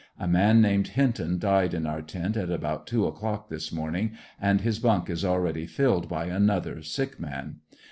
A man named Hinton died in our tent at about two o'clock this morning, and his bunk is already filled by another sick man.